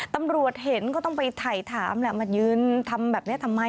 ตำรวจเห็นก็ต้องไปถ่ายถามแหละมายืนทำแบบนี้ทำไม